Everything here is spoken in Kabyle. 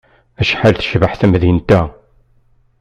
Acḥal tecbeḥ temdint-a!